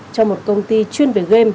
trong một công ty chuyên về game